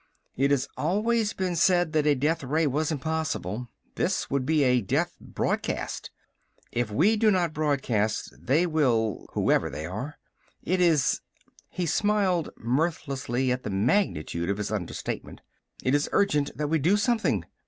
It has always been said that a death ray was impossible. This would be a death broadcast. If we do not broadcast, they will whoever they are. It is " He smiled mirthlessly at the magnitude of his understatement. "It is urgent that we do something.